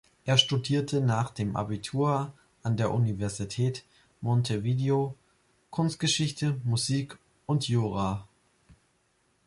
Er studierte nach dem Abitur an der Universität Montevideo Kunstgeschichte, Musik und Jura.